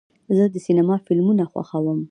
زه د سینما فلمونه خوښوم.